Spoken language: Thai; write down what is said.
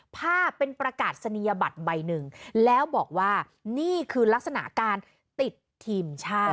ภาพเป็นประกาศนียบัตรใบหนึ่งแล้วบอกว่านี่คือลักษณะการติดทีมชาติ